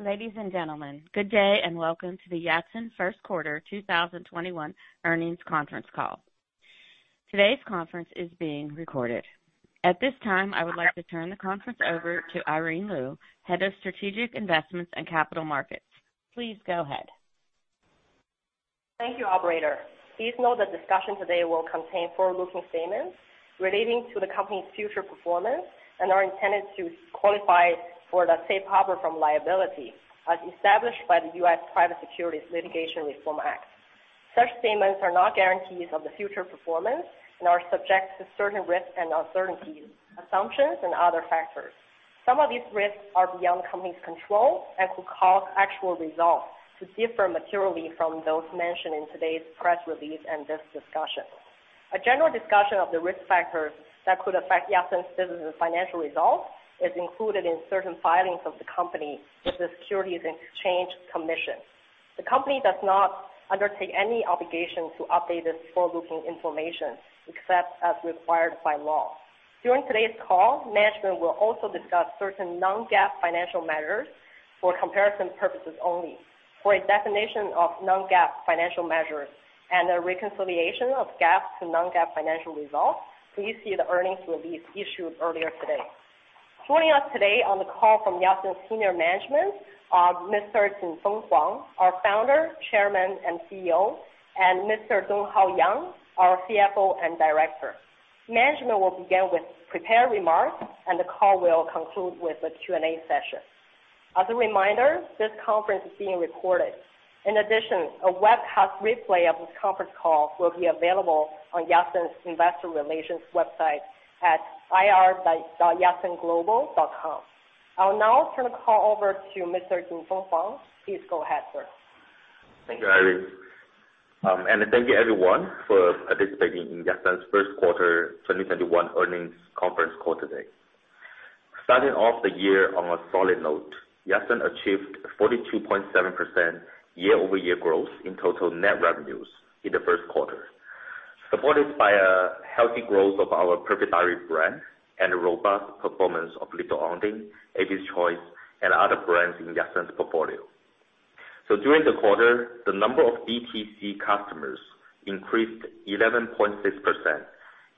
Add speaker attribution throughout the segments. Speaker 1: Ladies and gentlemen, good day and welcome to the Yatsen first quarter 2021 earnings conference call. Today's conference is being recorded. At this time, I would like to turn the conference over to Irene Lyu, Head of Strategic Investments and Capital Markets. Please go ahead.
Speaker 2: Thank you, operator. Please note that discussions today will contain forward-looking statements relating to the company's future performance and are intended to qualify for the safe harbor from liability, as established by the U.S. Private Securities Litigation Reform Act. Such statements are not guarantees of the future performance and are subject to certain risks and uncertainties, assumptions and other factors. Some of these risks are beyond company's control and could cause actual results to differ materially from those mentioned in today's press release and this discussion. A general discussion of the risk factors that could affect Yatsen's business and financial results is included in certain filings of the company with the Securities and Exchange Commission. The company does not undertake any obligation to update this forward-looking information except as required by law. During today's call, management will also discuss certain non-GAAP financial measures for comparison purposes only. For a definition of non-GAAP financial measures and a reconciliation of GAAP to non-GAAP financial results, please see the earnings release issued earlier today. Joining us today on the call from Yatsen senior management are Mr. Jinfeng Huang, our Founder, Chairman, and CEO, and Mr. Donghao Yang, our CFO and Director. Management will begin with prepared remarks, and the call will conclude with a Q&A session. As a reminder, this conference is being recorded. In addition, a webcast replay of this conference call will be available on Yatsen's Investor Relations website at ir.yatsenglobal.com. I will now turn the call over to Mr. Jinfeng Huang. Please go ahead, sir.
Speaker 3: Thank you, Irene, and thank you everyone for participating in Yatsen's first quarter 2021 earnings conference call today. Starting off the year on a solid note, Yatsen achieved 42.7% year-over-year growth in total net revenues in the first quarter, supported by a healthy growth of our Perfect Diary brand and robust performance of Little Ondine, Abby's Choice, and other brands in Yatsen's portfolio. During the quarter, the number of DTC customers increased 11.6%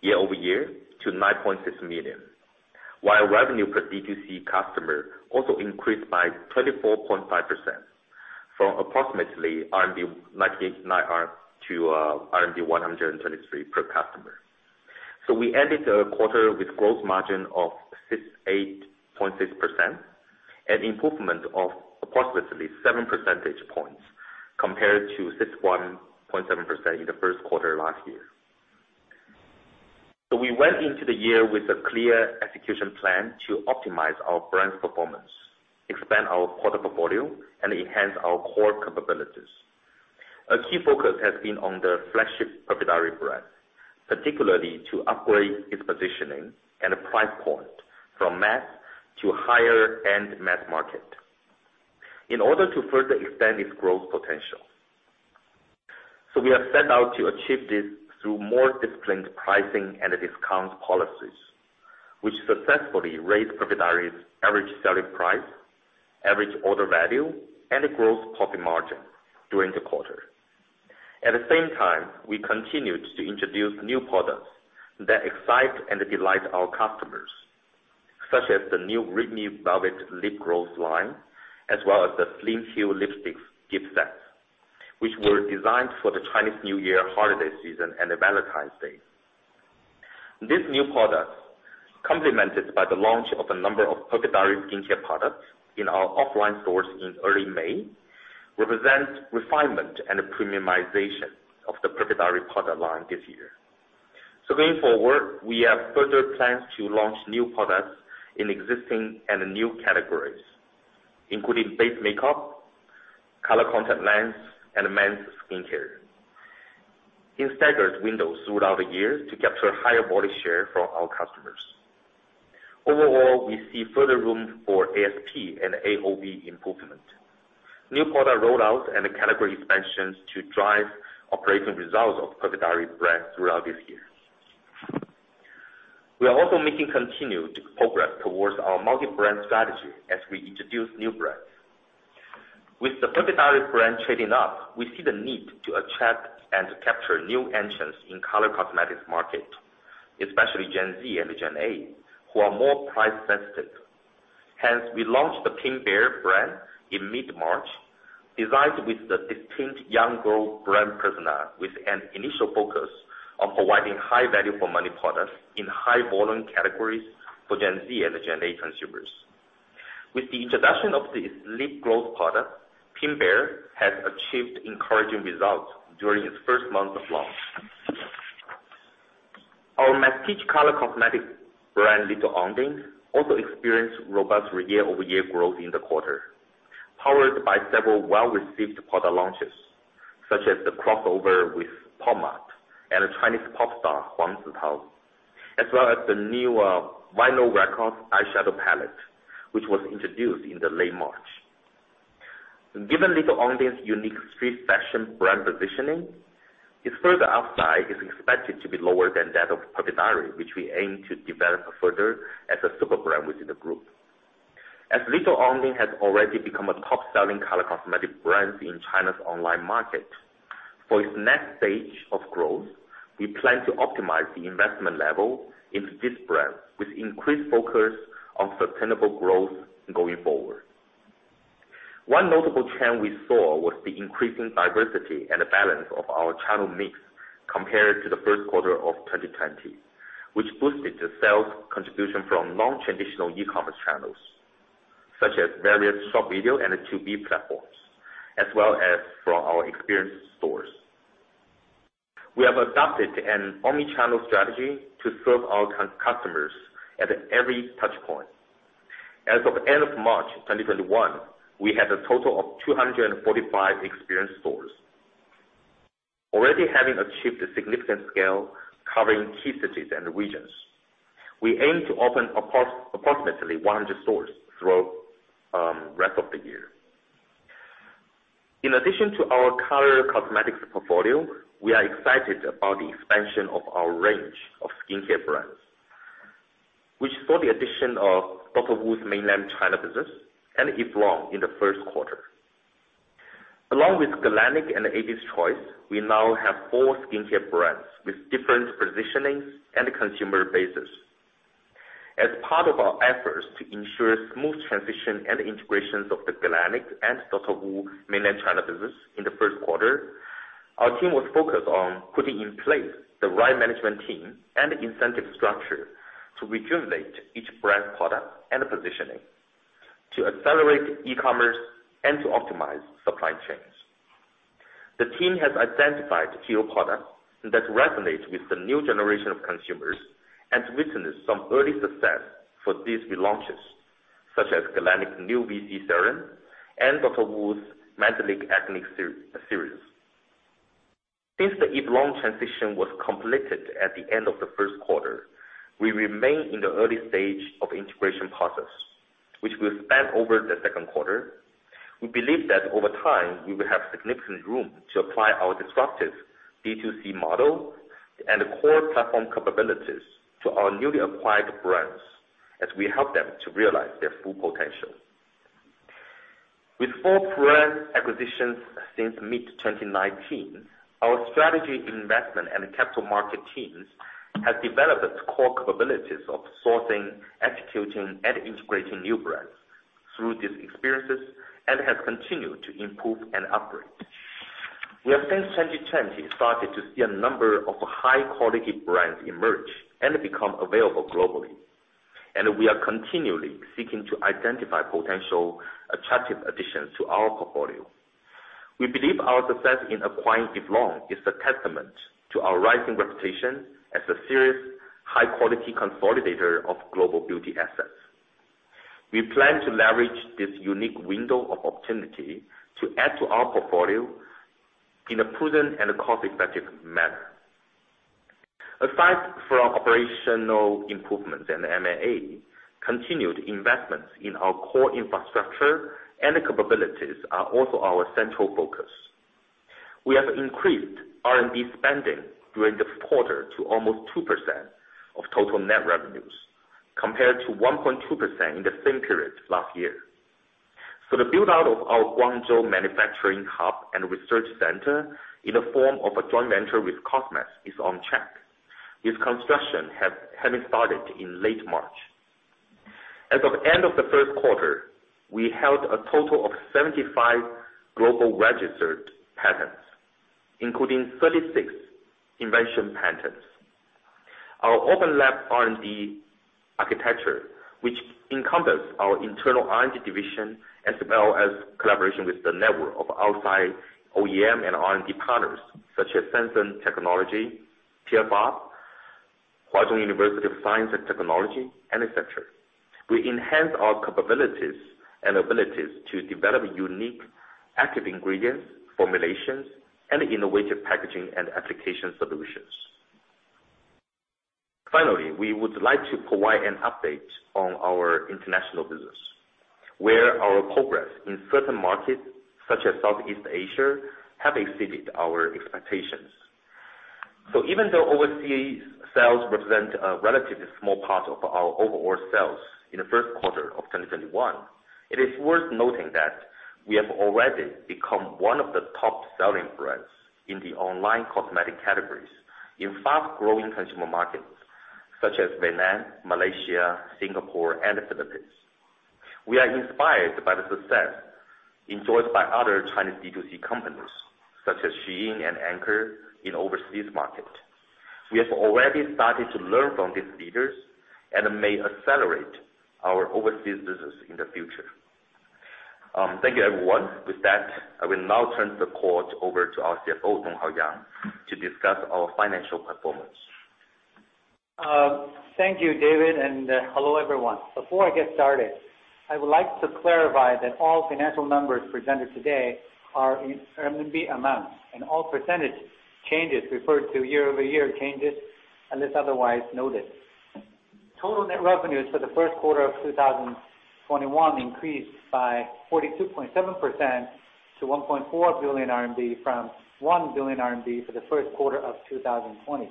Speaker 3: year-over-year to 9.6 million, while revenue per DTC customer also increased by 24.5%, from approximately CNY-- to RMB 133 per customer. We ended the quarter with gross margin of 68.6%, an improvement of approximately 7 percentage points compared to 61.7% in the first quarter last year. We went into the year with a clear execution plan to optimize our brand performance, expand our product portfolio, and enhance our core capabilities. A key focus has been on the flagship Perfect Diary brand, particularly to upgrade its positioning and price point from mass to higher-end mass market in order to further expand its growth potential. We have set out to achieve this through more disciplined pricing and discount policies, which successfully raised Perfect Diary's average selling price, average order value, and gross profit margin during the quarter. At the same time, we continued to introduce new products that excite and delight our customers, such as the new ReadMe Weightless Velvet Lip Stain, as well as the lipstick gift set, which were designed for the Chinese New Year holiday season and Valentine's Day. These new products, complemented by the launch of a number of Perfect Diary skincare products in our offline stores in early May, represent refinement and premiumization of the Perfect Diary product line this year. Going forward, we have further plans to launch new products in existing and new categories, including face makeup, color contact lens, and men's skincare in staggered windows throughout the year to capture a higher body share from our customers. Overall, we see further room for ASP and AOV improvement, new product rollout and category expansions to drive operating results of Perfect Diary brand throughout this year. We are also making continued progress towards our multi-brand strategy as we introduce new brands. With the Perfect Diary brand trading up, we see the need to attract and capture new entrants in color cosmetics market, especially Gen Z and Gen Alpha, who are more price sensitive. We launched the Pink Bear brand in mid-March, designed with a distinct young girl brand persona with an initial focus on providing high value for money products in high volume categories for Gen Z and Gen Alpha consumers. With the introduction of this lip gloss product, Pink Bear has achieved encouraging results during its first month of launch. Our prestige color cosmetic brand, Little Ondine, also experienced robust year-over-year growth in the quarter, powered by several well-received product launches, such as the crossover with Pop Mart and Chinese pop star Huang Zitao, as well as the new Vinyl Record Eyeshadow Palette, which was introduced in late March. Given Little Ondine's unique street fashion brand positioning, its further upside is expected to be lower than that of Perfect Diary, which we aim to develop further as a super brand within the group. As Little Ondine has already become a top-selling color cosmetic brand in China's online market, for its next stage of growth, we plan to optimize the investment level into this brand with increased focus on sustainable growth going forward. One notable trend we saw was the increasing diversity and balance of our channel mix compared to the first quarter of 2020, which boosted the sales contribution from non-traditional e-commerce channels, such as various short video and 2B platforms, as well as from our experience stores. We have adopted an omni-channel strategy to serve our customers at every touch point. As of end of March 2021, we had a total of 245 experience stores. Already having achieved a significant scale covering key cities and regions, we aim to open approximately 100 stores throughout rest of the year. In addition to our color cosmetics portfolio, we are excited about the expansion of our range of skincare brands, which saw the addition of Dr. Wu's Mainland China business and Eve Lom in the first quarter. Along with Galénic and Abby's Choice, we now have four skincare brands with different positionings and consumer bases. As part of our efforts to ensure smooth transition and integrations of the Galénic and Dr. Wu Mainland China business in the first quarter, our team was focused on putting in place the right management team and incentive structure to rejuvenate each brand product and positioning, to accelerate e-commerce, and to optimize supply chains. The team has identified key products that resonate with the new generation of consumers and witnessed some early success for these relaunches, such as Galénic's new VC serum and Dr. Wu's Mandelic Acid series. Since the Eve Lom transition was completed at the end of the first quarter, we remain in the early stage of integration process, which will span over the second quarter. We believe that over time, we will have significant room to apply our disruptive D2C model and core platform capabilities to our newly acquired brands as we help them to realize their full potential. With four brand acquisitions since mid 2019, our strategy investment and capital market teams have developed core capabilities of sourcing, executing, and integrating new brands through these experiences and have continued to improve and upgrade. We have since 2020 started to see a number of high-quality brands emerge and become available globally, and we are continually seeking to identify potential attractive additions to our portfolio. We believe our success in acquiring Eve Lom is a testament to our rising reputation as a serious, high-quality consolidator of global beauty assets. We plan to leverage this unique window of opportunity to add to our portfolio in a prudent and cost-effective manner. Aside from operational improvement and M&A, continued investments in our core infrastructure and capabilities are also our central focus. We have increased R&D spending during this quarter to almost 2% of total net revenues, compared to 1.2% in the same period last year. The build-out of our Guangzhou Manufacturing Hub and Research Center in the form of a joint venture with Cosmax is on track, with construction having started in late March. As of end of the first quarter, we held a total of 75 global registered patents, including 36 invention patents. Our Yatsen Open Lab R&D architecture, which encompass our internal R&D division as well as collaboration with a network of outside OEM and R&D partners such as Sensient Technologies, Pierpaoli, Huazhong University of Science and Technology, et cetera. We enhance our capabilities and abilities to develop unique active ingredient formulations and innovative packaging and application solutions. Finally, we would like to provide an update on our international business, where our progress in certain markets such as Southeast Asia have exceeded our expectations. Even though overseas sales represent a relatively small part of our overall sales in the first quarter of 2021, it is worth noting that we have already become one of the top selling brands in the online cosmetic categories in fast-growing consumer markets such as Vietnam, Malaysia, Singapore, and the Philippines. We are inspired by the success enjoyed by other Chinese D2C companies such as Shein and Anker in overseas markets. We have already started to learn from these leaders and may accelerate our overseas business in the future. Thank you everyone. With that, I will now turn the call over to our CFO, Donghao Yang, to discuss our financial performance.
Speaker 4: Thank you, David, and hello everyone. Before I get started, I would like to clarify that all financial numbers presented today are in RMB amounts and all percentage changes refer to year-over-year changes unless otherwise noted. Total net revenues for the first quarter of 2021 increased by 42.7% to 1.4 billion RMB from 1 billion RMB for the first quarter of 2020.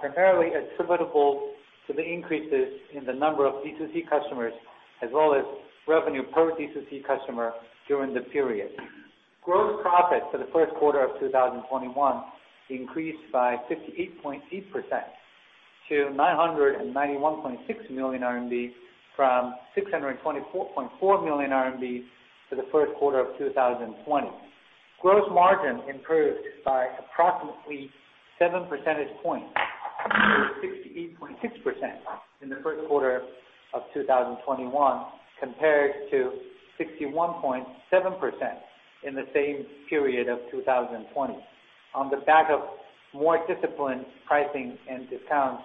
Speaker 4: Primarily attributable to the increases in the number of D2C customers as well as revenue per D2C customer during the period. Gross profit for the first quarter of 2021 increased by 58.8% to 991.6 million RMB from 624.4 million RMB for the first quarter of 2020. Gross margin improved by approximately 7 percentage points to 68.6% in the first quarter of 2021 compared to 61.7% in the same period of 2020 on the back of more disciplined pricing and discount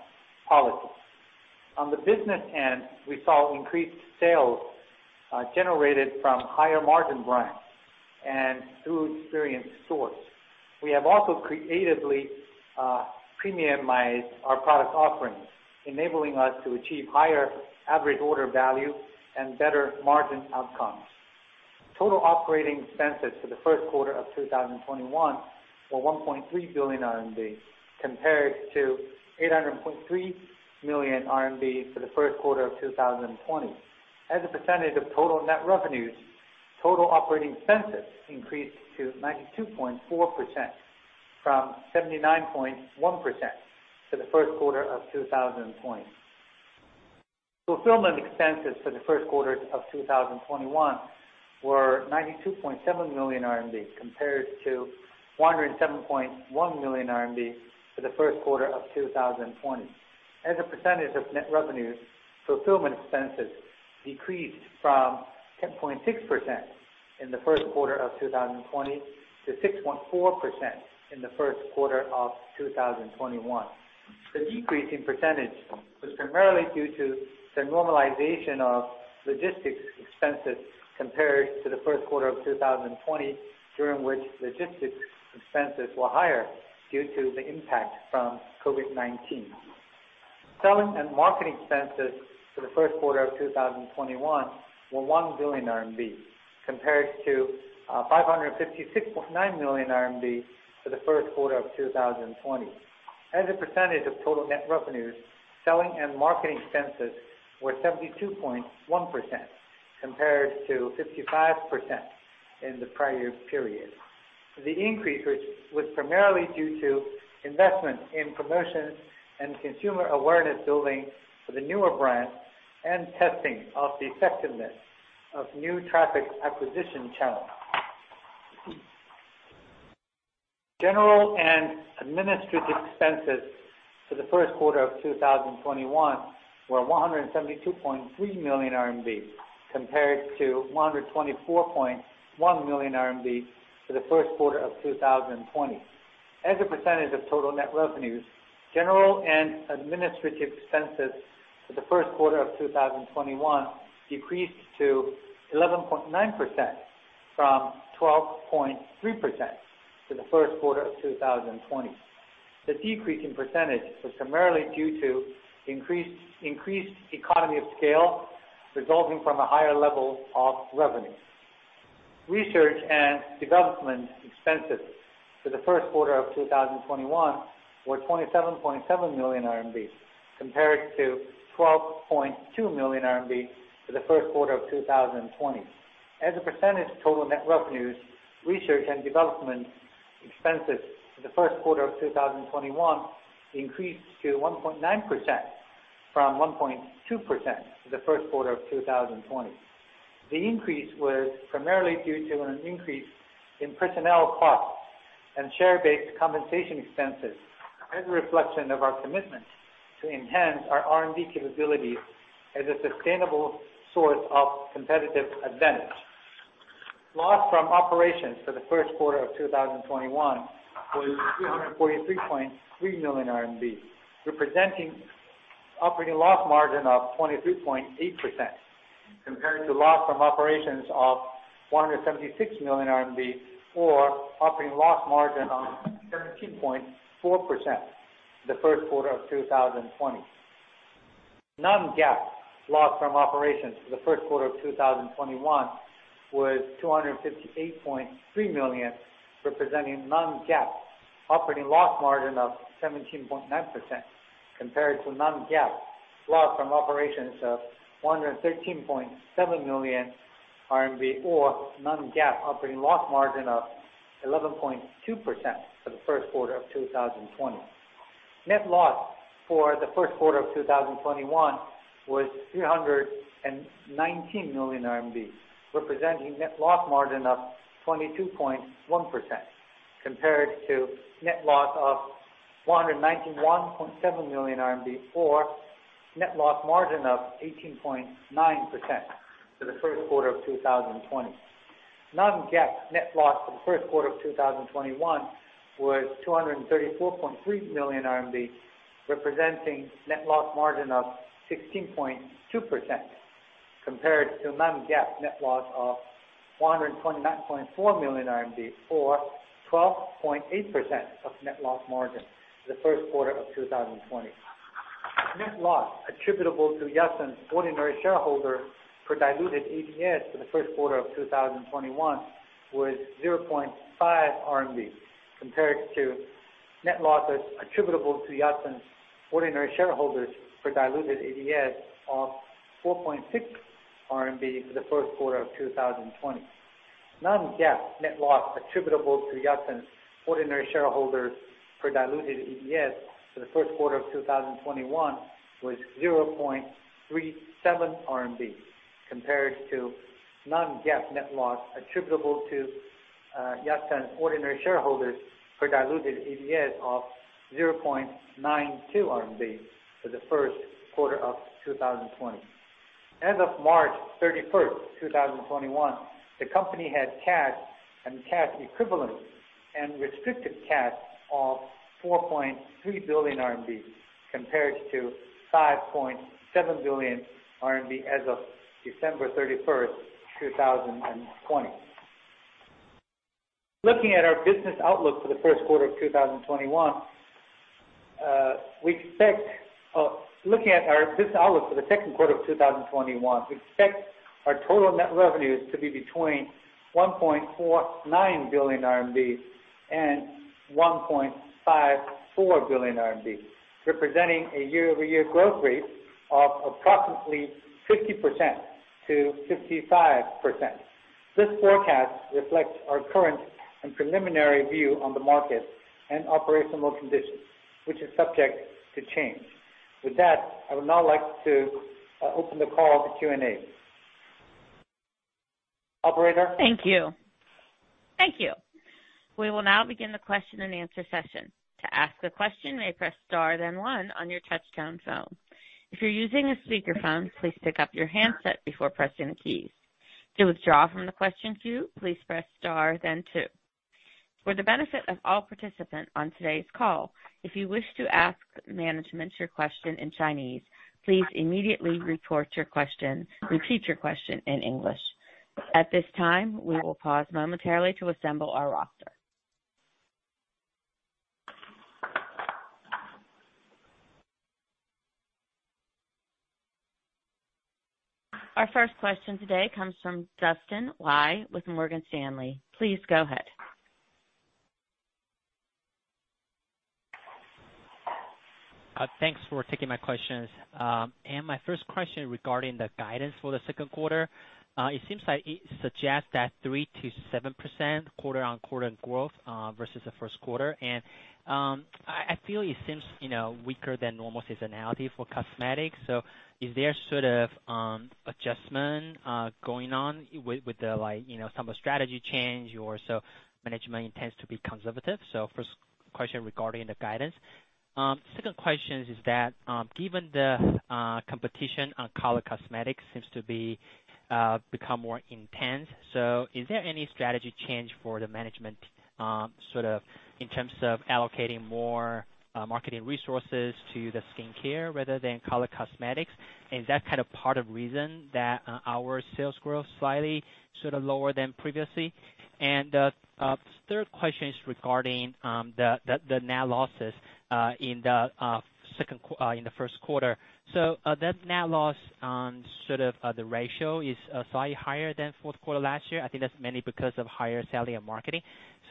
Speaker 4: policies. On the business end, we saw increased sales generated from higher margin brands and through experience stores. We have also creatively premiumized our product offerings, enabling us to achieve higher average order value and better margin outcomes. Total operating expenses for the first quarter of 2021 were 1.3 billion RMB compared to 800.3 million RMB for the first quarter of 2020. As a percentage of total net revenues, total operating expenses increased to 92.4% from 79.1% for the first quarter of 2020. Fulfillment expenses for the first quarter of 2021 were 92.7 million RMB compared to 107.1 million RMB for the first quarter of 2020. As a percentage of net revenues, fulfillment expenses decreased from 10.6% in the first quarter of 2020 to 6.4% in the first quarter of 2021. The decrease in percentage was primarily due to the normalization of logistics expenses compared to the first quarter of 2020, during which logistics expenses were higher due to the impact from COVID-19. Selling and marketing expenses for the first quarter of 2021 were 1 billion RMB compared to 556.9 million RMB for the first quarter of 2020. As a percentage of total net revenues, selling and marketing expenses were 72.1% compared to 55% in the prior year period. The increase was primarily due to investment in promotions and consumer awareness building for the newer brands and testing of the effectiveness of new traffic acquisition channels. General and administrative expenses for the first quarter of 2021 were 172.3 million RMB compared to 124.1 million RMB for the first quarter of 2020. As a percentage of total net revenues, general and administrative expenses for the first quarter of 2021 decreased to 11.9% from 12.3% for the first quarter of 2020. The decrease in percentage was primarily due to increased economy of scale resulting from a higher level of revenue. Research and development expenses for the first quarter of 2021 were 27.7 million RMB compared to 12.2 million RMB for the first quarter of 2020. As a percentage of total net revenues, research and development expenses for the first quarter of 2021 increased to 1.9% from 1.2% for the first quarter of 2020. The increase was primarily due to an increase in personnel costs and share-based compensation expenses as a reflection of our commitment to enhance our R&D capabilities as a sustainable source of competitive advantage. Loss from operations for the first quarter of 2021 was 343.3 million RMB, representing operating loss margin of 23.8%, compared to loss from operations of 176 million RMB or operating loss margin of 17.4% in the first quarter of 2020. Non-GAAP loss from operations for the first quarter of 2021 was RMB 258.3 million, representing non-GAAP operating loss margin of 17.9%, compared to non-GAAP loss from operations of 113.7 million RMB or non-GAAP operating loss margin of 11.2% for the first quarter of 2020. Net loss for the first quarter of 2021 was 319 million RMB, representing net loss margin of 22.1%, compared to net loss of 191.7 million RMB or net loss margin of 18.9% for the first quarter of 2020. Non-GAAP net loss for the first quarter of 2021 was 234.3 million RMB, representing net loss margin of 16.2%. Compared to non-GAAP net loss of 129.4 million RMB or 12.8% of net loss margin in the first quarter of 2020. Net loss attributable to Yatsen's ordinary shareholders per diluted ADS for the first quarter of 2021 was 0.5 RMB, compared to net losses attributable to Yatsen's ordinary shareholders per diluted ADS of 4.6 RMB for the first quarter of 2020. Non-GAAP net loss attributable to Yatsen's ordinary shareholders per diluted ADS for the first quarter of 2021 was 0.37 RMB, compared to non-GAAP net loss attributable to Yatsen ordinary shareholders per diluted ADS of 0.92 RMB for the first quarter of 2020. As of March 31st, 2021, the company had cash and cash equivalents and restricted cash of 4.3 billion RMB, compared to 5.7 billion RMB as of December 31st, 2020. Looking at our business outlook for the second quarter of 2021, we expect our total net revenues to be between 1.49 billion RMB and 1.54 billion RMB, representing a year-over-year growth rate of approximately 50%-55%. This forecast reflects our current and preliminary view on the market and operational conditions, which is subject to change. With that, I would now like to open the call to Q&A. Operator?
Speaker 1: Thank you. We will now begin the question and answer session. To ask the question, you may press star then one on your touchtone phone. If you're using a speakerphone, please pick up your handset before pressing the keys. To withdraw from the question queue, please press star then two. For the benefit of all participants on today's call, if you wish to ask management your question in Chinese, please immediately repeat your question in English. At this time, we will pause momentarily to assemble our roster. Our first question today comes from Dustin Wei with Morgan Stanley. Please go ahead.
Speaker 5: Thanks for taking my questions. My first question regarding the guidance for the second quarter. It seems like it suggests that 3%-7% quarter-on-quarter growth versus the first quarter. I feel it seems weaker than normal seasonality for cosmetics. Is there adjustment going on with some strategy change or management tends to be conservative? First question regarding the guidance. Second question is that given the competition on color cosmetics seems to become more intense. Is there any strategy change for the management in terms of allocating more marketing resources to skincare rather than color cosmetics? Is that part of the reason that our sales growth slightly lower than previously? The third question is regarding the net losses in the first quarter. That net loss on the ratio is slightly higher than fourth quarter last year. I think that's mainly because of higher selling and marketing.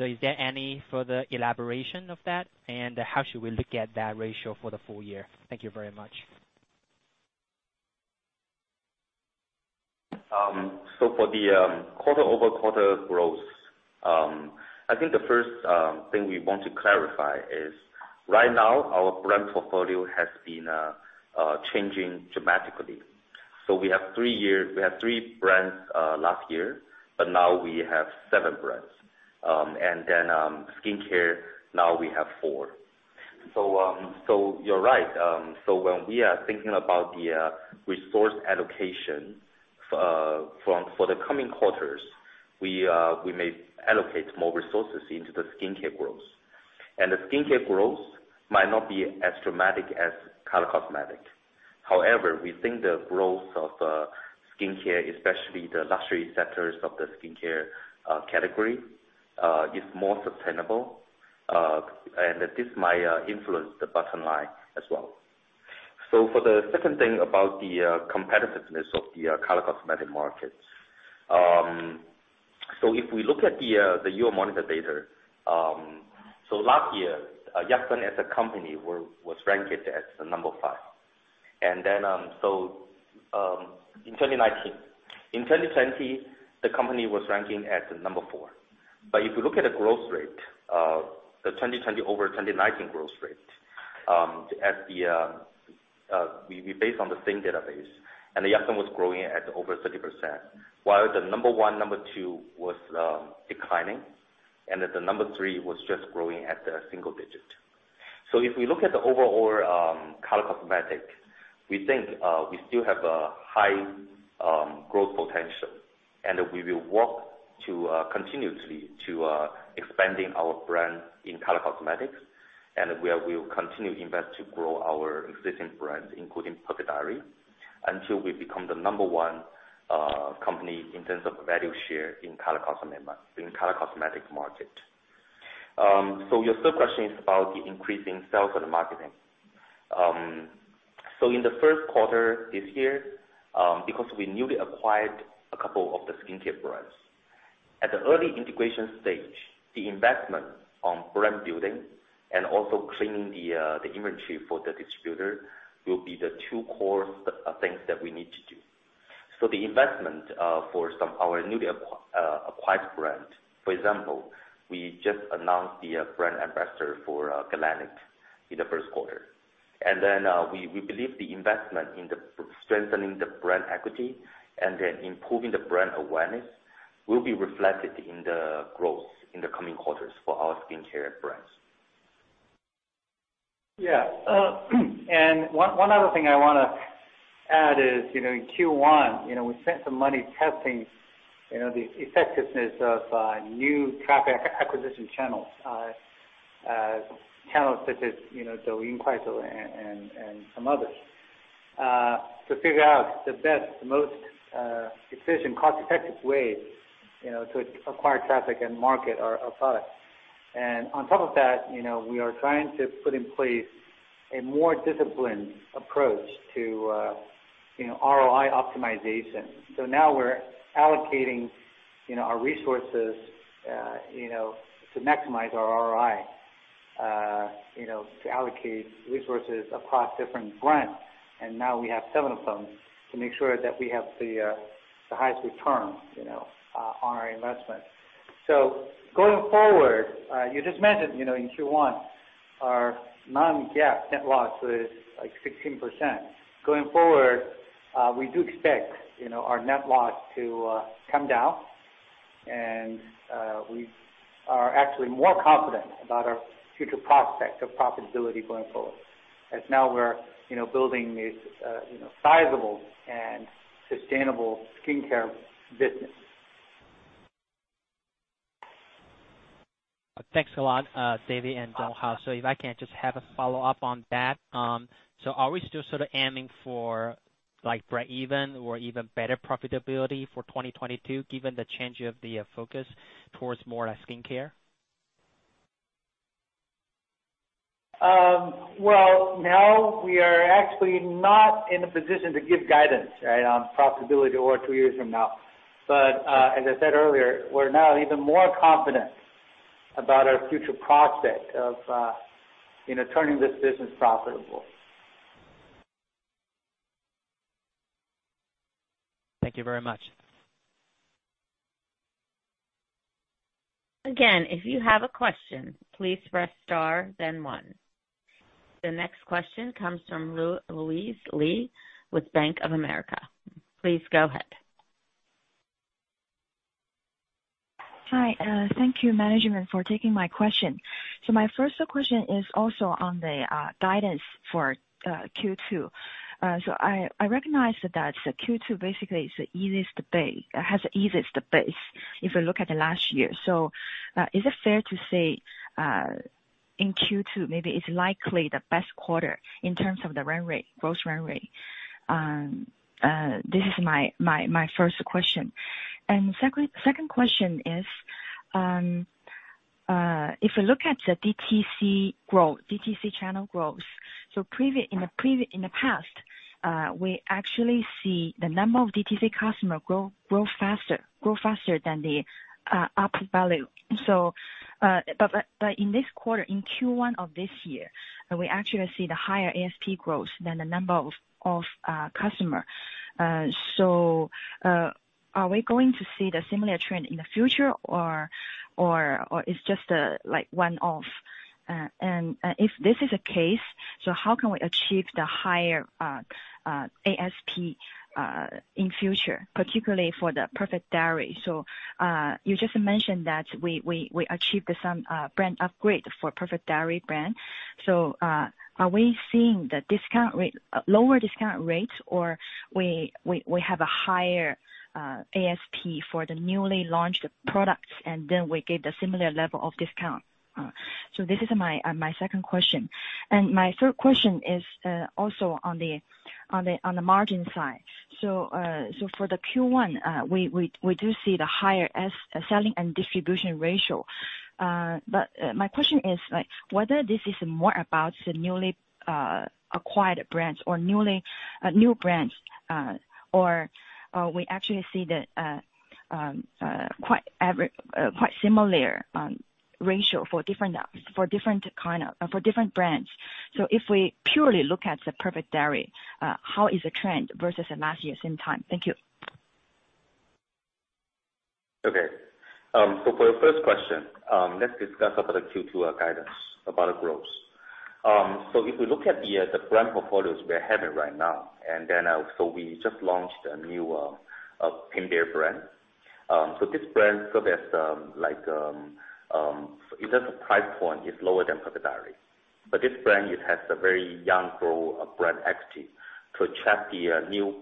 Speaker 5: Is there any further elaboration of that? How should we look at that ratio for the full year? Thank you very much.
Speaker 3: For the quarter-over-quarter growth, I think the first thing we want to clarify is right now our brand portfolio has been changing dramatically. We have three brands last year, but now we have seven brands. Skincare, now we have four. You're right. When we are thinking about the resource allocation for the coming quarters, we may allocate more resources into the skincare growth. The skincare growth might not be as dramatic as color cosmetic. However, we think the growth of skincare, especially the luxury sectors of the skincare category is more sustainable, and this might influence the bottom line as well. For the second thing about the competitiveness of the color cosmetic market. If we look at the Euromonitor data. Last year, Yatsen as a company was ranked as the number five. In 2020, the company was ranking at the number four. If you look at the growth rate, the 2020 over 2019 growth rate based on the same database. Yatsen was growing at over 30%, while the number one, number two was declining, and the number three was just growing at a single digit. If we look at the overall color cosmetic, we think we still have a high growth potential, and we will work. To continuously expanding our brand in color cosmetics, we will continue to invest to grow our existing brand, including Perfect Diary, until we become the number company in terms of value share in color cosmetic market. Your third question is about the increase in sales and marketing. In the first quarter this year, because we newly acquired a couple of the skincare brands, at the early integration stage, the investment on brand building and also cleaning the inventory for the distributor will be the two core things that we need to do. The investment for our newly acquired brand, for example, we just announced the brand ambassador for Galénic in the first quarter. We believe the investment in strengthening the brand equity and then improving the brand awareness will be reflected in the growth in the coming quarters for our skincare brands.
Speaker 4: Yeah. One other thing I want to add is, in Q1, we spent some money testing the effectiveness of new traffic acquisition channels, such as Douyin, Kuaishou and some others, to figure out the best, most efficient, cost-effective way to acquire traffic and market our products. On top of that, we are trying to put in place a more disciplined approach to ROI optimization. Now we're allocating our resources to maximize our ROI, to allocate resources across different brands, and now we have seven of them to make sure that we have the highest return on our investment. Going forward, you just mentioned, in Q1, our non-GAAP net loss was 16%. Going forward, we do expect our net loss to come down, and we are actually more confident about our future prospect of profitability going forward, as now we're building this sizable and sustainable skincare business.
Speaker 5: Thanks a lot, Jinfeng Huang and Donghao. If I can just have a follow-up on that. Are we still sort of aiming for breakeven or even better profitability for 2022, given the change of the focus towards more skincare?
Speaker 4: Well, now we are actually not in a position to give guidance on profitability one, two years from now. As I said earlier, we're now even more confident about our future prospect of turning this business profitable.
Speaker 5: Thank you very much.
Speaker 1: The next question comes from Luzi Li with Bank of America. Please go ahead.
Speaker 6: Hi, thank you management for taking my question. My first question is also on the guidance for Q2. I recognize that Q2 basically has the easiest base if you look at last year. Is it fair to say, in Q2, maybe it's likely the best quarter in terms of the growth run rate? This is my first question. Second question is, if you look at the DTC channel growth, in the past, we actually see the number of DTC customer grow faster than the output value. In Q1 of this year, we actually see the higher ASP growth than the number of customers. Are we going to see the similar trend in the future or it's just a one-off? If this is the case, how can we achieve the higher ASP in future, particularly for the Perfect Diary? You just mentioned that we achieved some brand upgrade for Perfect Diary brand. Are we seeing lower discount rates, or we have a higher ASP for the newly launched products, and then we get a similar level of discount? This is my second question. My third question is also on the margin side. For the Q1, we do see the higher selling and distribution ratio. My question is whether this is more about the newly acquired brands or new brands, or we actually see quite similar ratio for different brands. If we purely look at the Perfect Diary, how is the trend versus last year's same time? Thank you.
Speaker 3: Okay. For the first question, let's discuss about the Q2 guidance, about growth. If you look at the brand portfolios we're having right now, we just launched a new skincare brand. This brand, even the price point is lower than Perfect Diary. But this brand has a very young brand equity to attract the new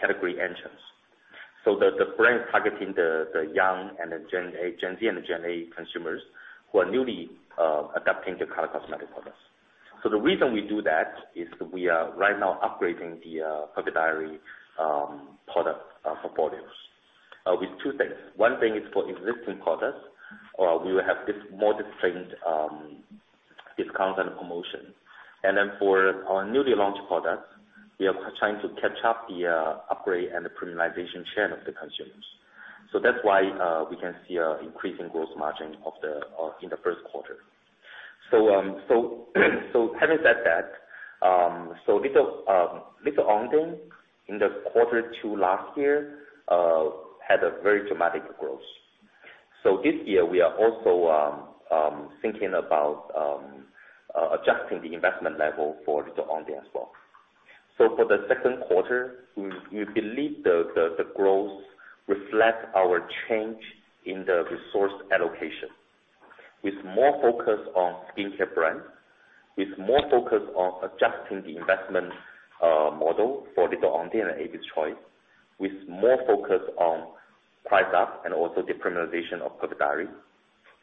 Speaker 3: category entrants. The brand is targeting the young and the Gen Z and Gen A consumers who are newly adopting the color cosmetic products. The reason we do that is that we are right now upgrading the Perfect Diary product portfolios with two things. One thing is for existing products, we will have more disciplined discount and promotion. For our newly launched products, we are trying to catch up the upgrade and the premiumization trend of the consumers. That's why we can see an increase in gross margin in the first quarter. Having said that, Little Ondine in the Q2 last year had a very dramatic growth. This year, we are also thinking about adjusting the investment level for Little Ondine as well. For the second quarter, we believe the growth reflects our change in the resource allocation. With more focus on skincare brands, with more focus on adjusting the investment model for Little Ondine and Abby's Choice, with more focus on price up and also the premiumization of Perfect Diary.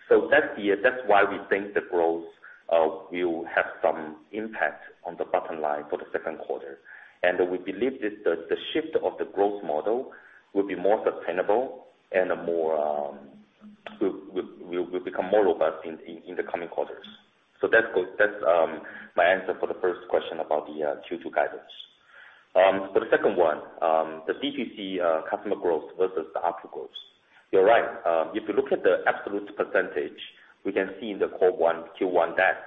Speaker 3: That's why we think the growth will have some impact on the bottom line for the second quarter. We believe that the shift of the growth model will be more sustainable and will become more robust in the coming quarters. That's my answer for the first question about the Q2 guidance. For the second one, the DTC customer growth versus the ARPU growth. You are right. If you look at the absolute percentage, we can see in the Q1 that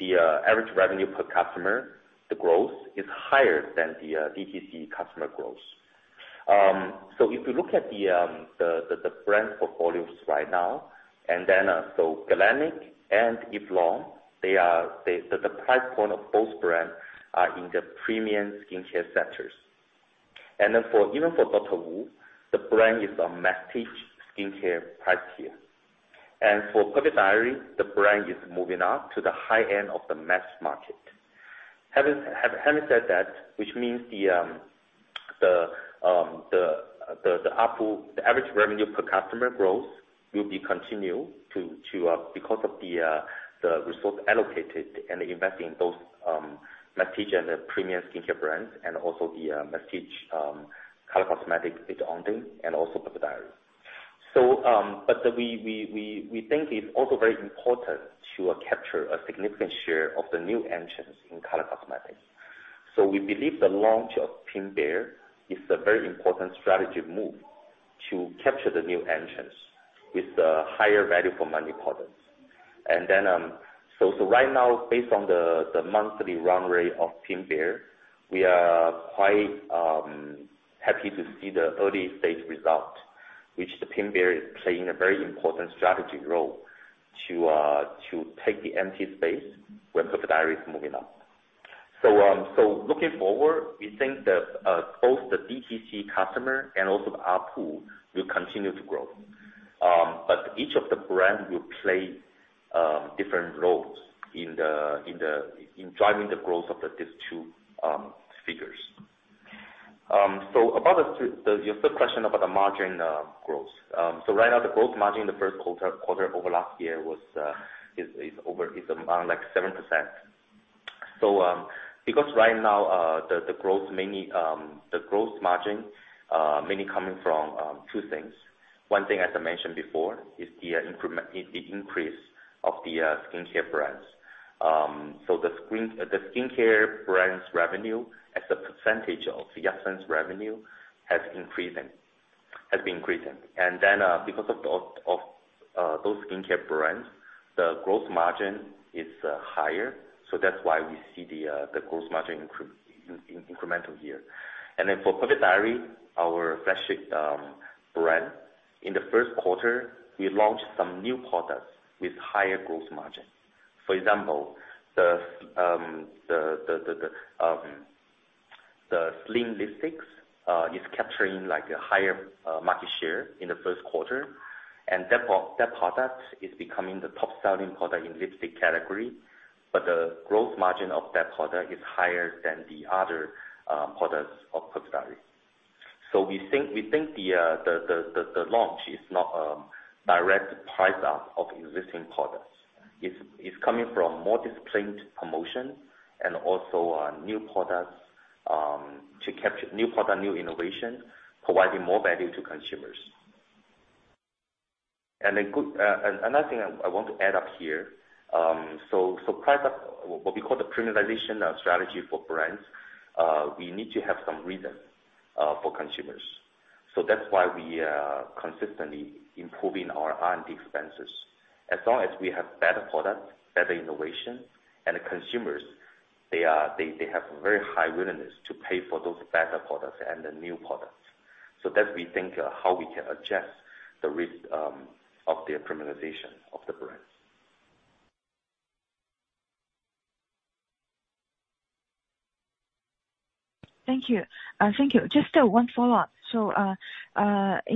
Speaker 3: the average revenue per customer, the growth is higher than the DTC customer growth. If you look at the brand portfolios right now, Galénic and Eve Lom, the price point of both brands are in the premium skincare sectors. Even for Dr. Wu, the brand is a medicated skincare price tier. For Perfect Diary, the brand is moving up to the high end of the mass market. Having said that, which means the ARPU, the average revenue per customer growth will be continued because of the resource allocated and invested in both mass and the premium skincare brands and also the mass color cosmetic, Little Ondine, and also Perfect Diary. We think it's also very important to capture a significant share of the new entrants in color cosmetics. Right now, based on the monthly run rate of Pink Bear, we are quite happy to see the early stage results, which the Pink Bear is playing a very important strategic role to take the empty space when Perfect Diary is moving up. Looking forward, we think that both the DTC customer and also the ARPU will continue to grow, but each of the brands will play different roles in driving the growth of these two figures. About the second question about the margin growth. Right now, the gross margin in the first quarter over last year is around 7%. Because right now the gross margin mainly coming from two things. One thing, as I mentioned before, is the increase of the skincare brands. The skincare brands revenue as a percentage of Yatsen's revenue has been increasing. Because of those skincare brands, the gross margin is higher. That's why we see the gross margin incremental here. For Perfect Diary, our flagship brand, in the first quarter, we launched some new products with higher gross margin. For example, the slim lipsticks is capturing a higher market share in the first quarter, and that product is becoming the top-selling product in lipstick category, but the gross margin of that product is higher than the other products of Perfect Diary. We think the launch is not a direct price up of existing products. It's coming from more disciplined promotion and also new products, new innovation, providing more value to consumers. Another thing I want to add up here, price up, what we call the premiumization strategy for brands, we need to have some reason for consumers. That's why we are consistently improving our R&D expenses. As long as we have better product, better innovation, and the consumers, they have a very high willingness to pay for those better products and the new products. That we think how we can adjust the risk of the premiumization of the brands.
Speaker 6: Thank you. Just one follow-up. You just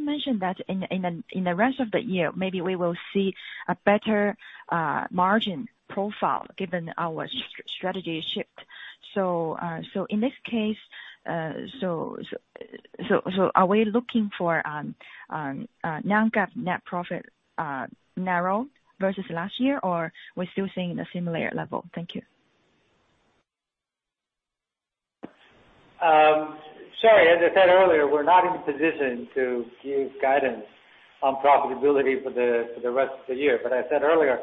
Speaker 6: mentioned that in the rest of the year, maybe we will see a better margin profile given our strategy shift. In this case, are we looking for non-GAAP net profit narrow versus last year, or we're still seeing a similar level? Thank you.
Speaker 4: Sorry, as I said earlier, we're not in a position to give guidance on profitability for the rest of the year. I said earlier,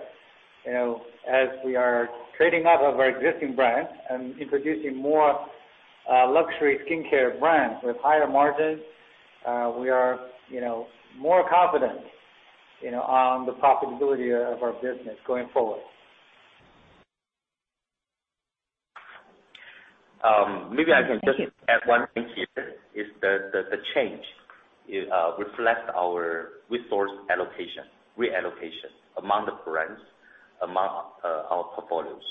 Speaker 4: as we are trading up of our existing brands and introducing more luxury skincare brands with higher margins, we are more confident on the profitability of our business going forward.
Speaker 3: Maybe I can just add one thing here, is that the change reflects our resource reallocation among the brands, among our portfolios.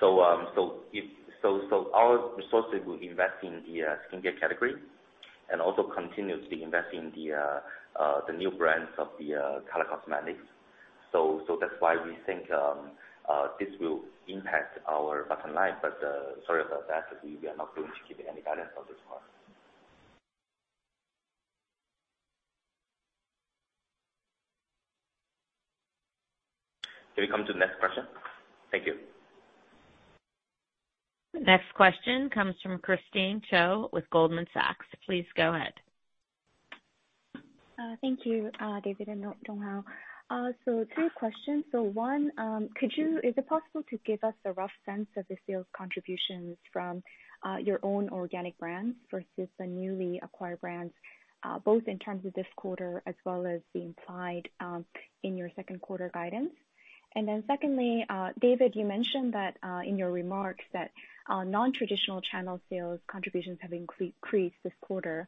Speaker 3: Our resources will invest in the skincare category and also continuously invest in the new brands of the color cosmetics. That's why we think this will impact our bottom line, sorry about that, we are not going to give any guidance at this point. We come to the next person. Thank you.
Speaker 1: Next question comes from Christine Cho with Goldman Sachs. Please go ahead.
Speaker 7: Thank you, David and Donghao. Two questions. One, is it possible to give us a rough sense of the sales contributions from your own organic brands versus the newly acquired brands, both in terms of this quarter as well as the implied in your second quarter guidance? Secondly, David, you mentioned in your remarks that non-traditional channel sales contributions have increased this quarter,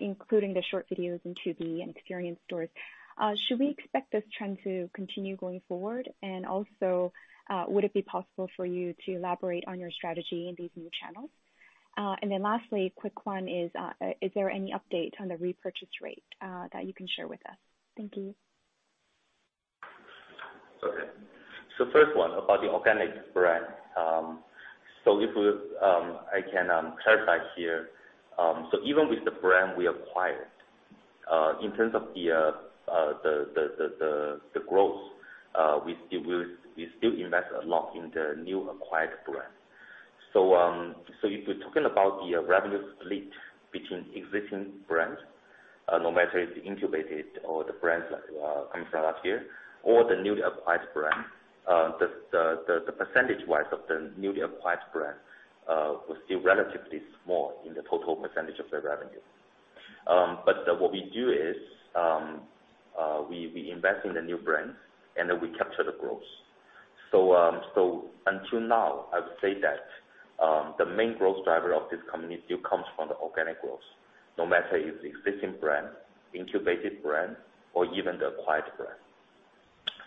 Speaker 7: including the short videos and TV and experience stores. Should we expect this trend to continue going forward? Would it be possible for you to elaborate on your strategy in these new channels? Lastly, a quick one is there any update on the repurchase rate that you can share with us? Thank you.
Speaker 3: Okay. First one, about the organic brand. I can clarify here. Even with the brand we acquired, in terms of the growth, we still invest a lot in the new acquired brand. If you're talking about the revenue split between existing brands, no matter if it's incubated or the brands that came from last year or the newly acquired brand, the percentage-wise of the newly acquired brand was still relatively small in the total percentage of the revenue. What we do is we invest in the new brands and then we capture the growth. Until now, I would say that the main growth driver of this company still comes from the organic growth, no matter if it's existing brand, incubated brand, or even the acquired brand.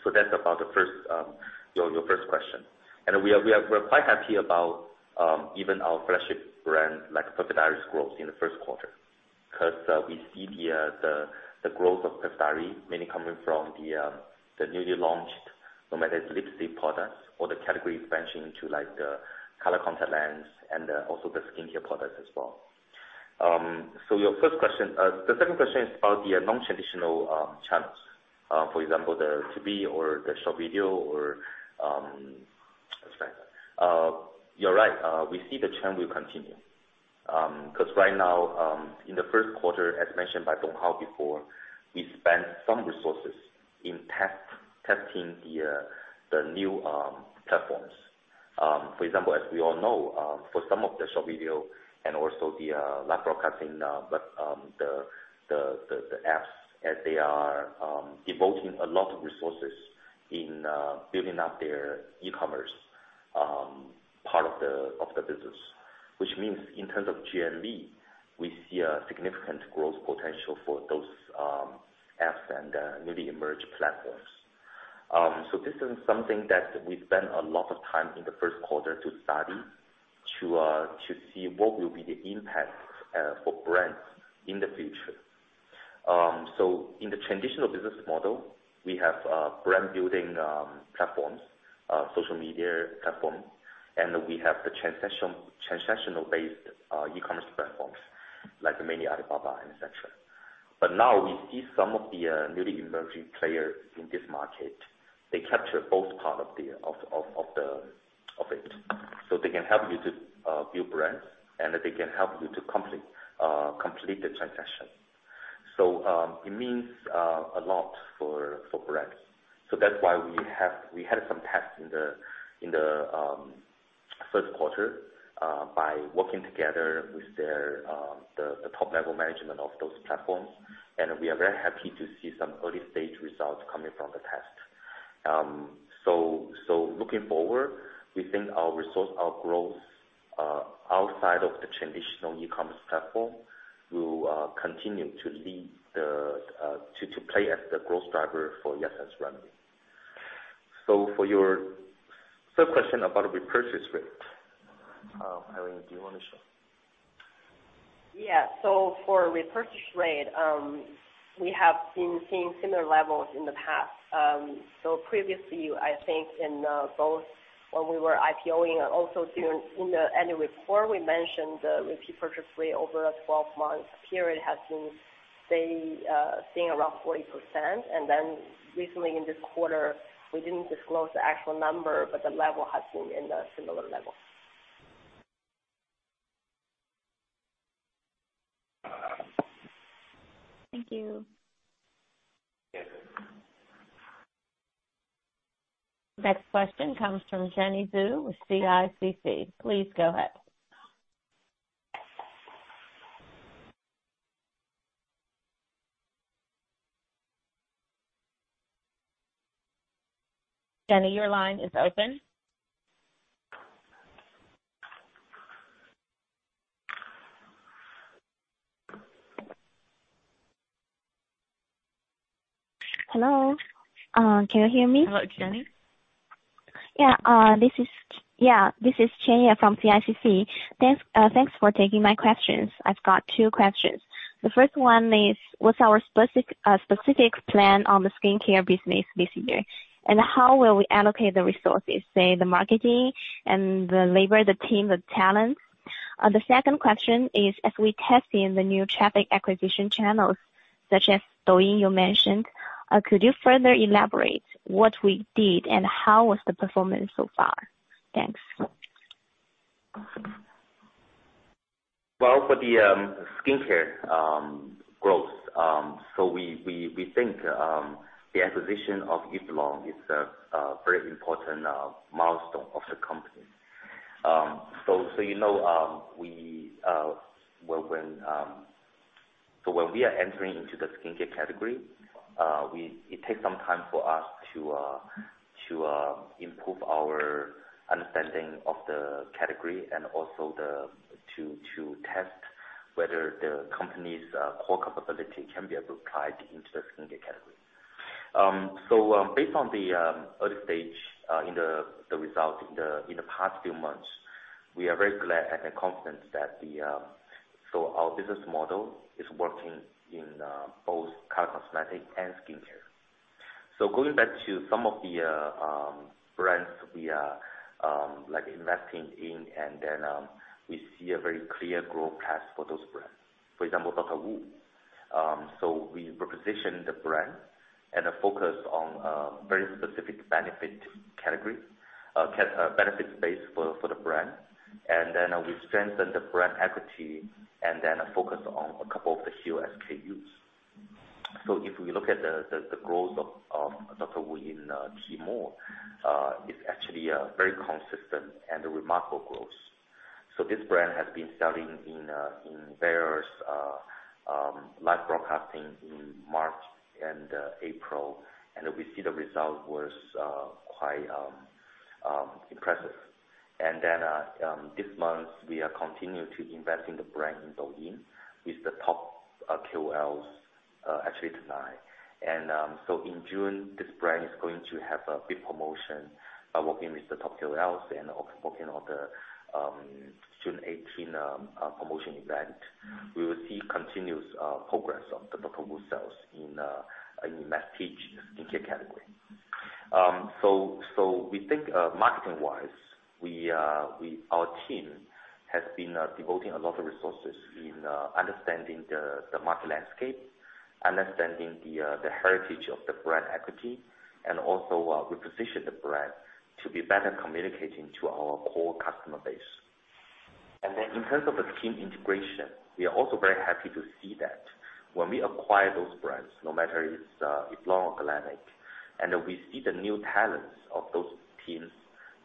Speaker 3: That's about your first question. We are quite happy about even our flagship brand, like Perfect Diary's growth in the first quarter, because we see the growth of Perfect Diary mainly coming from the newly launched, no matter the lipstick product or the category branching to the color contact lens and also the skincare products as well. The second question is about the non-traditional channels, for example, the TV or the short video. You're right, we see the trend will continue. Because right now, in the first quarter, as mentioned by Donghao before, we spent some resources in testing the new platforms. For example, as we all know, for some of the short video and also the live broadcasting apps, they are devoting a lot of resources in building up their e-commerce part of the business, which means in terms of GMV, we see a significant growth potential for those apps and the newly emerged platforms. This is something that we spent a lot of time in the first quarter to study to see what will be the impact for brands in the future. In the traditional business model, we have brand-building platforms, social media platforms, and we have the transactional-based e-commerce platforms like many Alibaba, et cetera. Now we see some of the newly emerging players in this market, they capture both parts of it. They can help you to build brands, and they can help you to complete the transaction. It means a lot for brands. That's why we had some tests in the first quarter by working together with the top-level management of those platforms, and we are very happy to see some early-stage results coming from the test. Looking forward, we think our growth outside of the traditional e-commerce platform will continue to play as the growth driver for Yatsen's revenue. So for your third question about repurchase rate, Irene Lyu, do you want to share?
Speaker 2: Yeah. For repurchase rate, we have seen similar levels in the past. Previously, I think in both when we were IPO-ing and also during in the annual report, we mentioned the repurchase rate over a 12-month period has been staying around 40%. Recently in this quarter, we didn't disclose the actual number, but the level has been in a similar level.
Speaker 1: Thank you. Next question comes from Zhongchao Xu with CICC. Please go ahead. Zhongchao, your line is open.
Speaker 8: Hello, can you hear me?
Speaker 1: Hello, Zhongchao.
Speaker 8: Yeah, this is Zhongchao Xu from CICC. Thanks for taking my questions. I've got two questions. The first one is what's our specific plan on the skincare business this year, and how will we allocate the resources, say, the marketing and the labor, the team, the talent? The second question is if we testing the new traffic acquisition channels such as Douyin you mentioned, could you further elaborate what we did and how was the performance so far? Thanks.
Speaker 3: Well, for the skincare growth, we think the acquisition of Eve Lom is a very important milestone of the company. When we are entering into the skincare category, it takes some time for us to improve our understanding of the category and also to test whether the company's core capability can be applied into the skincare category. Based on the early stage in the result in the past few months, we are very glad and confident that our business model is working in both color cosmetic and skincare. Going back to some of the brands we are investing in, then we see a very clear growth path for those brands. For example, Dr. Wu. We reposition the brand and focus on very specific benefit category, benefit base for the brand, and then we strengthen the brand equity and then focus on a couple of few SKUs. If we look at the growth of Dr. Wu in Tmall, it's actually a very consistent and remarkable growth. This brand has been selling in various live broadcasting in March and April, and we see the result was quite impressive. This month, we are continuing to invest in the brand in Douyin with the top KOLs at Yatsen Lab. In June, this brand is going to have a big promotion working with the top KOLs and also working on the June 18 promotion event. We will see continuous progress of Dr. Wu sales in that page in the category. We think marketing wise, our team has been devoting a lot of resources in understanding the market landscape, understanding the heritage of the brand equity, and also reposition the brand to be better communicating to our core customer base. In terms of the team integration, we are also very happy to see that when we acquire those brands, no matter it's Eve Lom or Galénic, and we see the new talents of those teams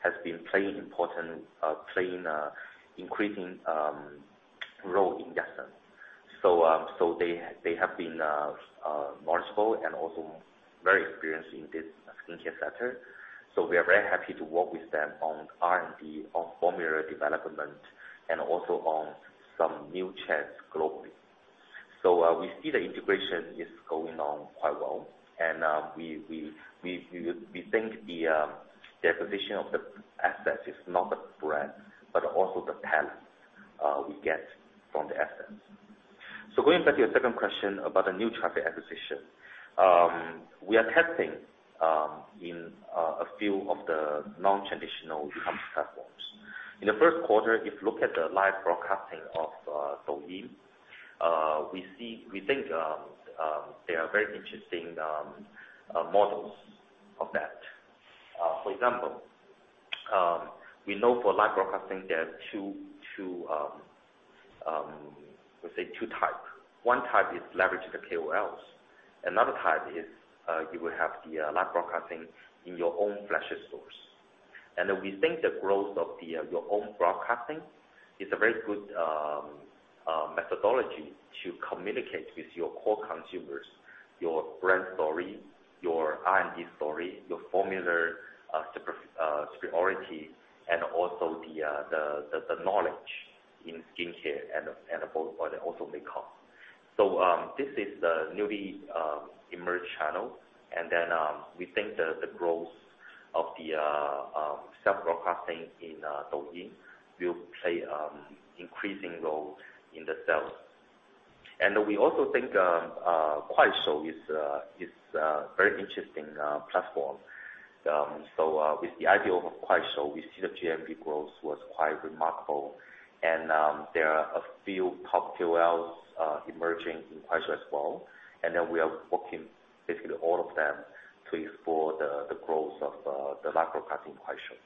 Speaker 3: has been playing an increasing role in Yatsen. They have been knowledgeable and also very experienced in this skincare sector. We are very happy to work with them on R&D, on formula development, and also on some new channels globally. We see the integration is going on quite well, and we think the acquisition of the asset is not the brand, but also the talent we get from the asset. Going back to your second question about the new traffic acquisition. We are testing in a few of the non-traditional e-commerce platforms. In the first quarter, if you look at the live broadcasting of Douyin, we think there are very interesting models of that. For example, we know for live broadcasting, there are two types. One type is leverage the KOLs. Another type is you will have the live broadcasting in your own flagship stores. We think the growth of your own broadcasting is a very good methodology to communicate with your core consumers, your brand story, your R&D story, your formula superiority, and also the knowledge in skincare and also makeup. So this is the newly emerged channel. We think that the growth of the self-broadcasting in Douyin will play an increasing role in the sales. We also think Kuaishou is a very interesting platform. With the idea of Kuaishou, we see the GMV growth was quite remarkable and there are a few top KOLs emerging in Kuaishou as well. We are working with basically all of them to explore the growth of the live broadcasting Kuaishou.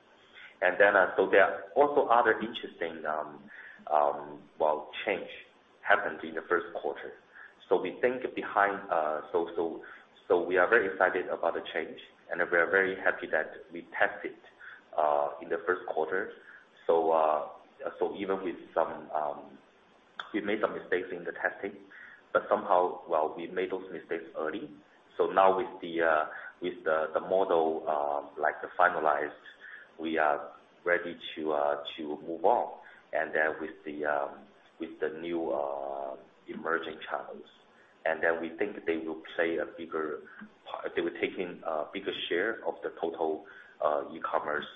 Speaker 3: There are also other interesting changes happened in the first quarter. We are very excited about the change, and we are very happy that we tested in the first quarter. Even with some mistakes in the testing, but somehow we made those mistakes early. Now with the model finalized, we are ready to move on. With the new emerging channels, we think they will take in a bigger share of the total e-commerce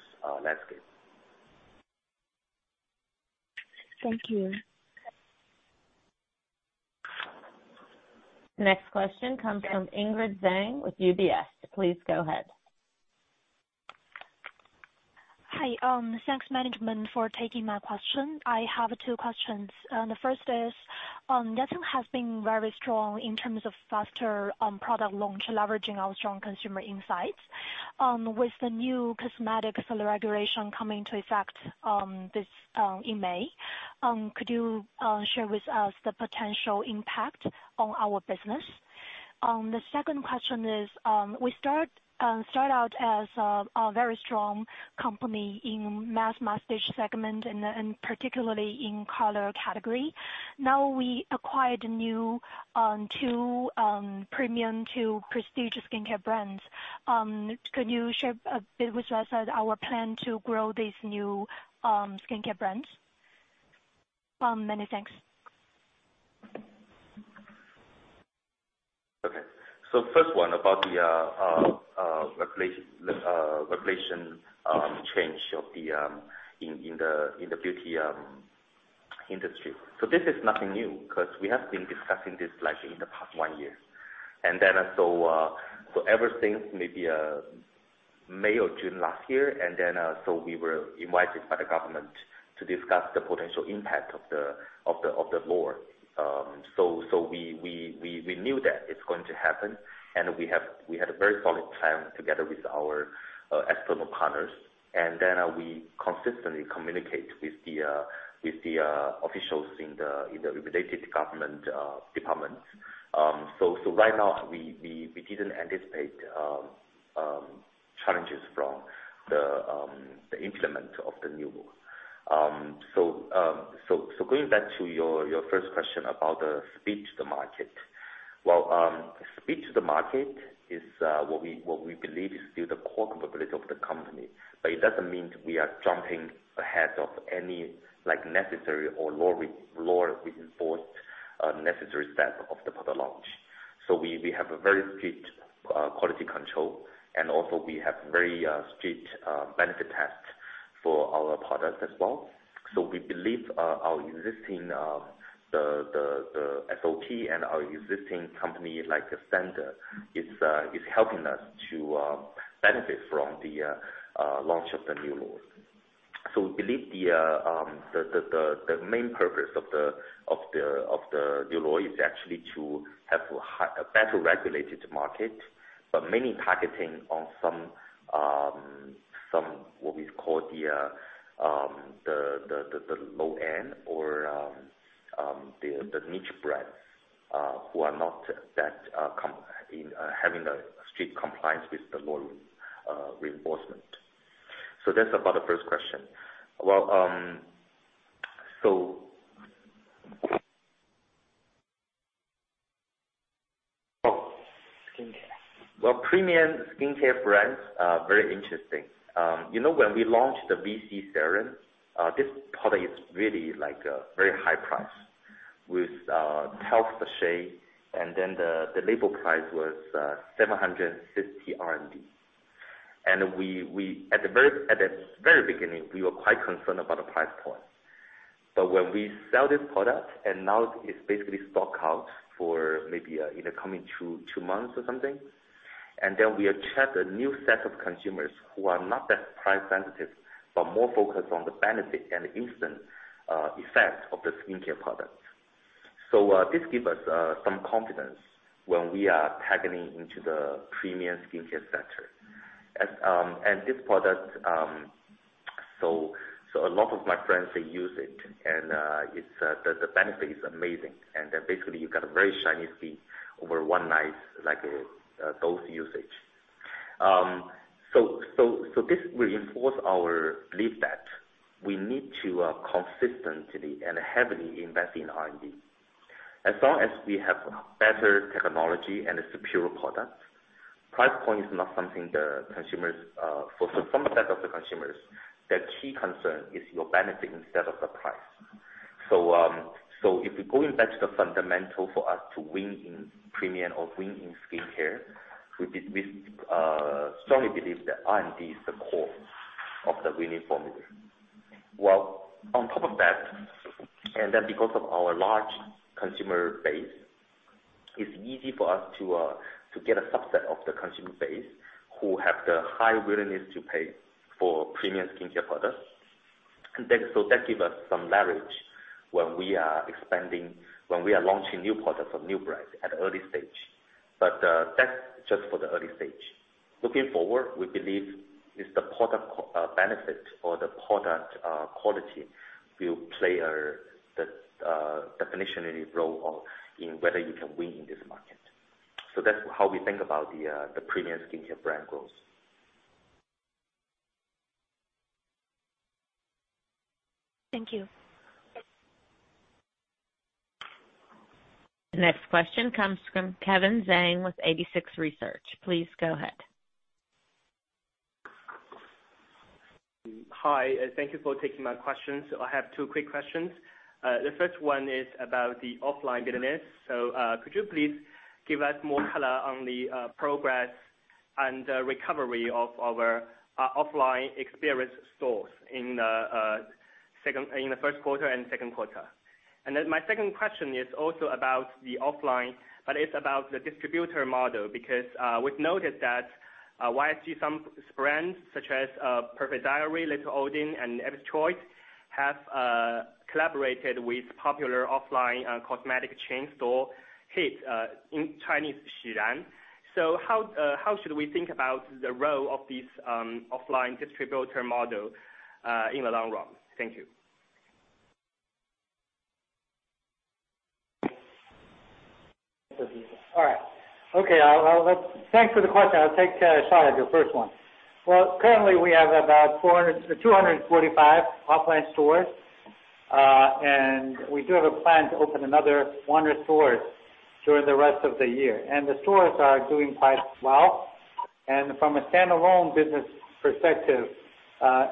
Speaker 3: landscape.
Speaker 8: Thank you.
Speaker 1: Next question comes from Ingrid Zhang with UBS. Please go ahead.
Speaker 9: Hi. Thanks management for taking my question. I have two questions. The first is, Yatsen has been very strong in terms of faster product launch, leveraging our strong consumer insights. With the new cosmetic regulation coming to effect in May, could you share with us the potential impact on our business? The second question is, we start out as a very strong company in mass-market segment and particularly in color category. Now we acquired two premium, two prestigious skincare brands. Could you share with us our plan to grow these new skincare brands? Many thanks.
Speaker 3: Okay. First one about the regulation change in the beauty industry. This is nothing new because we have been discussing this in the past one year. Ever since maybe May or June last year, we were invited by the government to discuss the potential impact of the law. We knew that it's going to happen, and we had a very solid plan together with our external partners. We consistently communicate with the officials in the related government departments. Right now we didn't anticipate challenges from the implement of the new law. Going back to your first question about the speed to the market. Speed to the market is what we believe is still the core capability of the company, but it doesn't mean we are jumping ahead of any necessary or law reinforced necessary steps of the product launch. We have a very strict quality control, and also we have very strict benefit tests for our products as well. We believe our existing SOP and our existing company, like the standard, is helping us to benefit from the launch of the new laws. We believe the main purpose of the new law is actually to have a better regulated market, but mainly targeting on some, what we call the low end or the niche brands who are not having a strict compliance with the law reinforcement. That's about the first question. Skincare. Premium skincare brands are very interesting. When we launched the VC serum, this product is really very high price with 12 per shade. The label price was 750 RMB. At the very beginning, we were quite concerned about the price point. When we sell this product and now it is basically stock out for maybe in the coming two months or something. We attract a new set of consumers who are not that price sensitive, but more focused on the benefit and instant effect of the skincare products. This give us some confidence when we are targeting into the premium skincare sector. This product, a lot of my friends they use it, and the benefit is amazing. Basically you got a very shiny skin over one night dose usage. This reinforce our belief that we need to consistently and heavily invest in R&D. As long as we have better technology and superior product. Price point is not something that consumers. For some set of the consumers, their key concern is your benefit instead of the price. If we're going back to the fundamental for us to win in premium or win in skincare, we strongly believe that R&D is the core of the winning formula. On top of that, because of our large consumer base, it's easy for us to get a subset of the consumer base who have the high willingness to pay for premium skincare products. That gives us some leverage when we are expanding, when we are launching new products or new brands at an early stage. That's just for the early stage. Looking forward, we believe it's the product benefit or the product quality will play a definitive role in whether you can win in this market. That's how we think about the premium skincare brand growth.
Speaker 9: Thank you.
Speaker 1: The next question comes from Kevin Zhang with 86Research. Please go ahead.
Speaker 10: Hi. Thank you for taking my questions. I have two quick questions. The first one is about the offline business. Could you please give us more color on the progress and recovery of our offline experience stores in the first quarter and second quarter? My second question is also about the offline, but it's about the distributor model, because we've noted that Yatsen brands such as Perfect Diary, Little Ondine, and Abby's Choice have collaborated with popular offline cosmetic chain store, H.E.A.T, in Chinese, Xī Rán. How should we think about the role of this offline distributor model in the long run? Thank you.
Speaker 4: All right. Okay, thanks for the question. I'll take a shot at your first one. Well, currently we have about 245 offline stores, and we do have a plan to open another 100 stores during the rest of the year. The stores are doing quite well. From a stand-alone business perspective,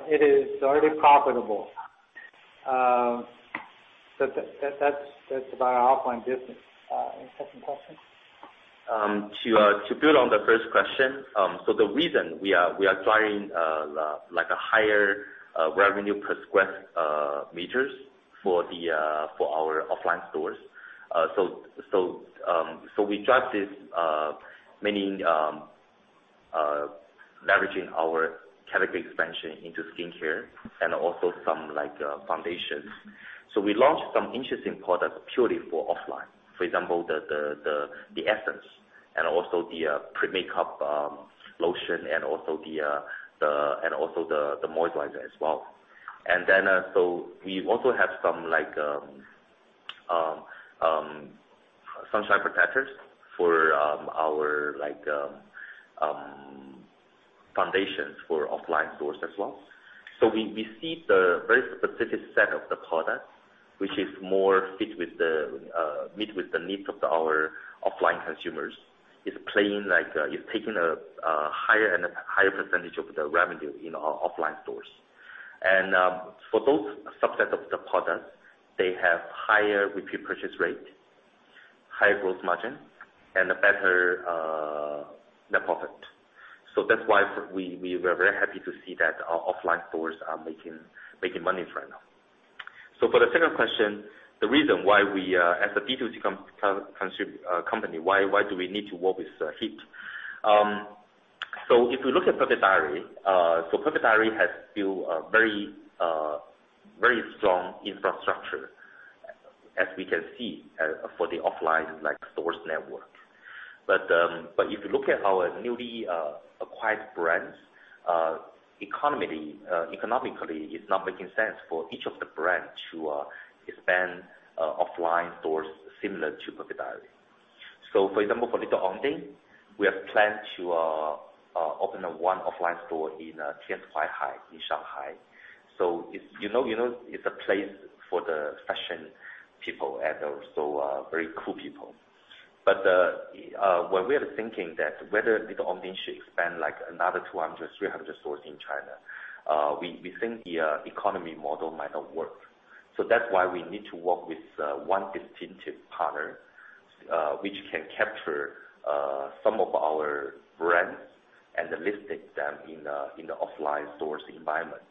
Speaker 4: it is already profitable. That's about our offline business. Any second question?
Speaker 3: To build on the first question, the reason we are trying a higher revenue per square meters for our offline stores. We track this, mainly leveraging our category expansion into skincare and also some foundations. We launched some interesting products purely for offline. For example, the essence and also the pre-makeup lotion and also the moisturizer as well. Then, we also have some sunscreen protectors for our foundations for offline stores as well. We see the very specific set of the product, which is more fit with the needs of our offline consumers. It's playing like it's taking a higher percentage of the revenue in our offline stores. For those subset of the products, they have higher repeat purchase rate, higher gross margin, and a better net profit. That's why we were very happy to see that our offline stores are making money right now. For the second question, the reason why we as a D2C company, why do we need to work with H.E.A.T? If you look at Perfect Diary, Perfect Diary has still a very strong infrastructure, as we can see, for the offline stores network. If you look at our newly acquired brands, economically, it's not making sense for each of the brands to expand offline stores similar to Perfect Diary. For example, for Little Ondine, we have planned to open one offline store in Tianzifang in Shanghai. It's a place for the fashion people and also very cool people. When we are thinking that whether Little Ondine should expand another 200 stores-300 stores in China, we think the economy model might not work. That's why we need to work with one distinctive partner, which can capture some of our brands and list them in the offline stores environment.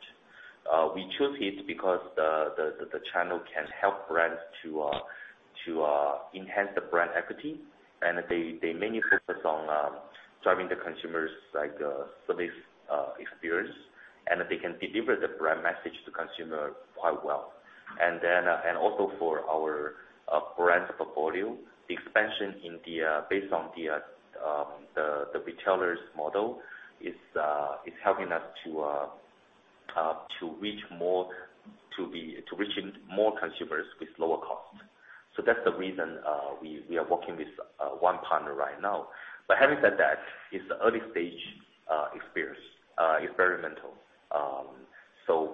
Speaker 3: We chose H.E.A.T because the channel can help brands to enhance the brand equity, and they mainly focus on serving the consumers like a service experience, and they can deliver the brand message to consumer quite well. Also for our brands portfolio expansion based on the retailers model is helping us to reach more consumers with lower cost. That's the reason we are working with one partner right now. Having said that, it's early stage experimental.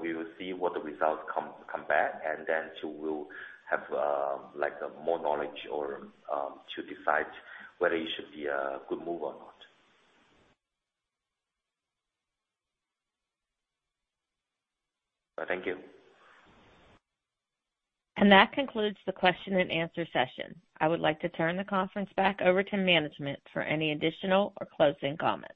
Speaker 3: We will see what the results come back and then we will have more knowledge to decide whether it should be a good move or not.
Speaker 10: Thank you.
Speaker 1: That concludes the question and answer session. I would like to turn the conference back over to management for any additional or closing comments.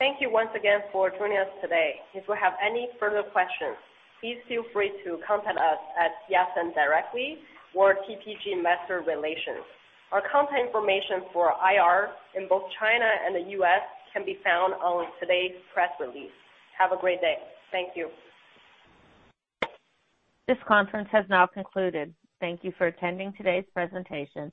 Speaker 2: Thank you once again for joining us today. If you have any further questions, please feel free to contact us at Yatsen directly or TPG Investor Relations. Our contact information for IR in both China and the U.S. can be found on today's press release. Have a great day. Thank you.
Speaker 1: This conference has now concluded. Thank you for attending today's presentation.